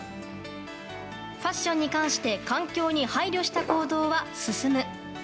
ファッションに関して環境に配慮した行動は進む。